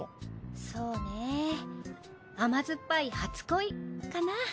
そうね甘酸っぱい初恋かな。